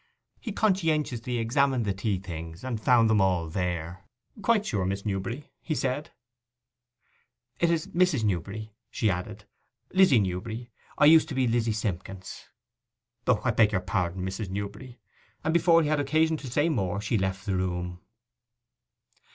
He conscientiously examined the tea things, and found them all there. 'Quite sure, Miss Newberry,' he said. 'It is Mrs. Newberry,' she said. 'Lizzy Newberry, I used to be Lizzy Simpkins.' 'O, I beg your pardon, Mrs. Newberry.' And before he had occasion to say more she left the room.